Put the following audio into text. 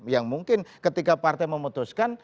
yang mungkin ketika partai memutuskan